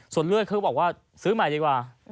ส่วนเลือดเขาบอกว่าซื้อใหม่ดีกว่า